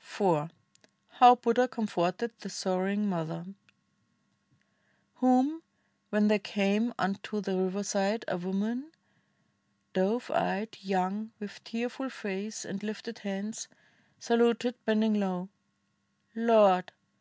38 STORIES OF BUDDHA IV HOW BUDDHA COMFORTED THE SORROWING MOTHER Whom, when they came unto the riverside, A woman — dove eyed, young, with tearful face And Hfted hands — saluted, bending low: "Lord!